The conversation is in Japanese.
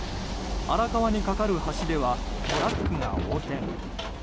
荒川に架かる橋ではトラックが横転。